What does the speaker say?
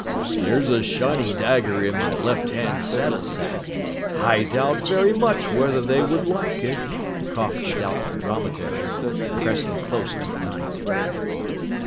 "There's a shiny dagger in my left hand saddlesack. I doubt very much whether they would like it," coughed the Doubtful Dromedary, pressing close to the Knight.